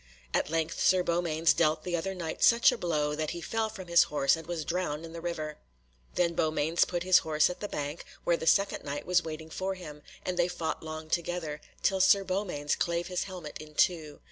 At length Sir Beaumains dealt the other Knight such a blow that he fell from his horse, and was drowned in the river. Then Beaumains put his horse at the bank, where the second Knight was waiting for him, and they fought long together, till Sir Beaumains clave his helmet in two.